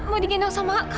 mau digendong sama kak